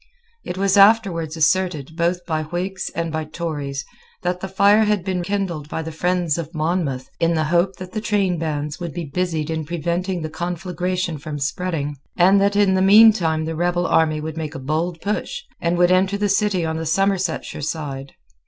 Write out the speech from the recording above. It was afterwards asserted, both by Whigs and by Tories, that the fire had been kindled by the friends of Monmouth, in the hope that the trainbands would be busied in preventing the conflagration from spreading, and that in the meantime the rebel army would make a bold push, and would enter the city on the Somersetshire side.